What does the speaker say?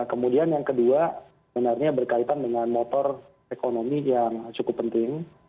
kemudian yang kedua benarnya berkaitan dengan motor ekonomi yang cukup penting